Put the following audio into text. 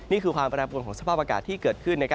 นี่คือความแปรปวนของสภาพอากาศที่เกิดขึ้น